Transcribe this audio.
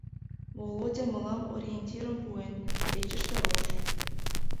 — Володя мылам ориентирым пуэн: печыште рож.